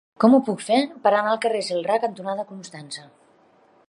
Com ho puc fer per anar al carrer Celrà cantonada Constança?